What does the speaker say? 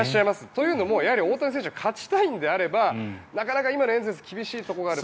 というのも大谷選手勝ちたいのであればなかなか今のエンゼルス厳しいところがある。